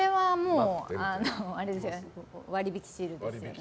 割引シールですよね。